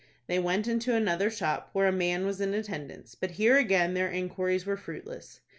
They went into another shop, where a man was in attendance; but here again their inquiries were fruitless.